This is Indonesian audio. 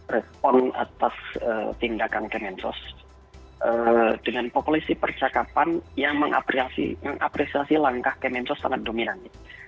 respon atas tindakan kementerian sosial dengan populasi percakapan yang mengapresiasi langkah kementerian sosial sangat dominan